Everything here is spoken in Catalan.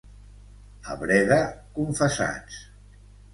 A Breda, confessats.